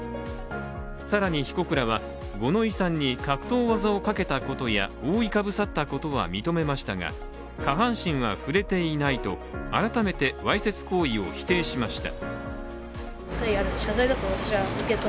更に、被告らは五ノ井さんに格闘技をかけたことや、覆いかぶさったことは認めましたが、下半身は触れていないと改めてわいせつ行為を否定しました。